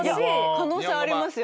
可能性ありますよ。